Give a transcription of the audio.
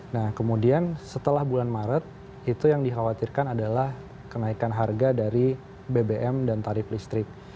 nah kemudian setelah bulan maret itu yang dikhawatirkan adalah kenaikan harga dari bbm dan tarif listrik